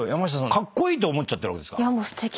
カッコイイと思っちゃってるわけですから。